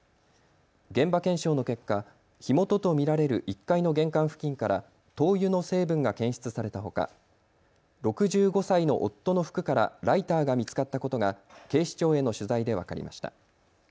現場検証の結果、火元と見られる１階の玄関付近から灯油の成分が検出されたほか６５歳の夫の服からライターが見つかったことが警視庁への取材で分かりました。